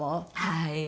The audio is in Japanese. はい。